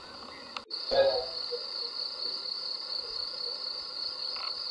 uingiliaji mkubwa zaidi wa kigeni nchini Kongo katika kipindi cha muongo mmoja kando na